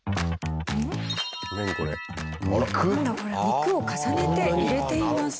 肉を重ねて入れています。